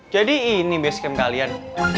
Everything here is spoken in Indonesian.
jadi ini basecamp kalian